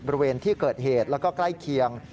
บริเวณที่เกิดเหตุแล้วก็ใกล้เคียง